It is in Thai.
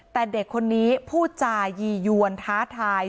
แต่เด็กคนนี้พูดจายียวนท้าทาย